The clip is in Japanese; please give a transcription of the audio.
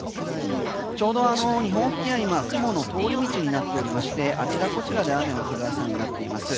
ちょうど日本付近は今、雲の通り道になっておりましてあちらこちらで雨の降る朝になっています。